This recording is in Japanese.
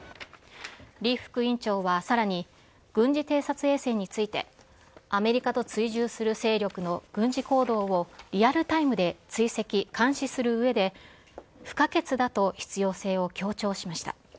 リ副委員長はさらに、軍事偵察衛星について、アメリカと追従する勢力の軍事行動をリアルタイムで追跡・監視するうえで不可欠だと必要性を強調しました。